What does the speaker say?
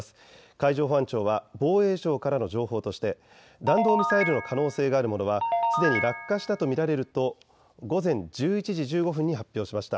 海上保安庁は防衛省からの情報として弾道ミサイルの可能性があるものはすでに落下したと見られると午前１１時１５分に発表しました。